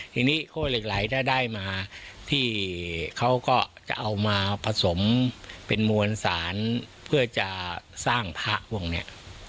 ทีนี้โค้เหล็กไหลถ้าได้มาที่เขาก็จะเอามาผสมเป็นมวลสารเพื่อจะสร้างพระพวกนี้